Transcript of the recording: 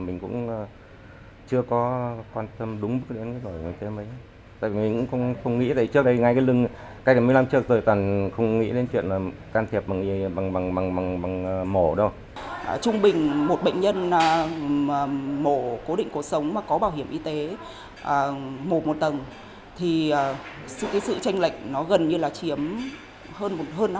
nếu không bình một bệnh nhân mổ cố định cuộc sống mà có bảo hiểm y tế mổ một tầng thì sự tranh lệch nó gần như là chiếm hơn năm mươi